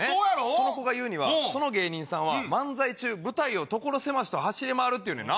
その子が言うにはその芸人さんは漫才中舞台を所狭しと走り回るって言うねんな。